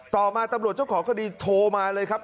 ต่อมาตำรวจเจ้าของคดีโทรมาเลยครับ